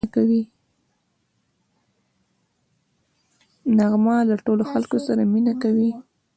نغمه له ټولو خلکو سره مینه کوي